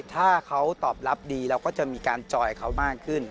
ถ้าเขาตอบรับดีเราก็จะมีการจอยเขามากขึ้น